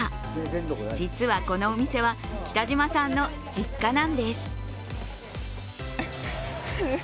実は、このお店は北島さんの実家なんです。